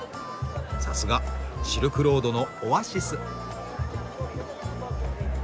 さすがシルクロードのオアシス！